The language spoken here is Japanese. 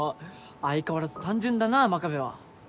相変わらず単純だなぁ真壁は。